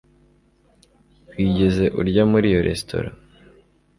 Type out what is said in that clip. Wigeze urya muri iyo resitora?